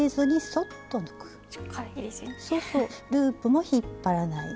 そうそうループも引っ張らない。